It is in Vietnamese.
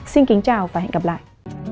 xin kính chào và hẹn gặp lại